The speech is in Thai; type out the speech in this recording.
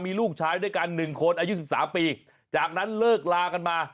มีลูกชายด้วยกัน๑คนอายุ๑๓ปีจากนั้นเลิกลากันมา